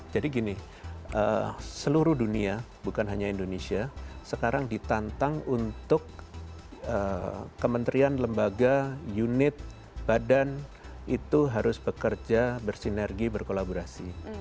jadi gini seluruh dunia bukan hanya indonesia sekarang ditantang untuk kementerian lembaga unit badan itu harus bekerja bersinergi berkolaborasi